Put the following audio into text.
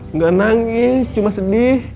nggak nangis cuma sedih